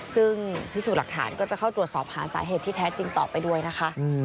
ซึ่งพิสูจน์หลักฐานก็จะเข้าตรวจสอบหาสาเหตุที่แท้จริงต่อไปด้วยนะคะ